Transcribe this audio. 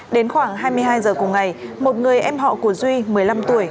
đến khoảng hai mươi hai h cùng ngày một người em họ của duy một mươi năm tuổi